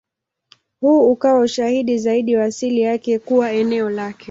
Huu ukawa ushahidi zaidi wa asili yake kuwa eneo lake.